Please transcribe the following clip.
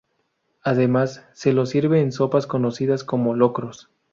Además se lo sirve en sopas conocidas como locros.